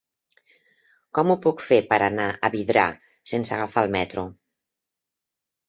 Com ho puc fer per anar a Vidrà sense agafar el metro?